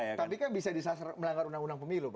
tapi kan bisa disasar melanggar undang undang pemilu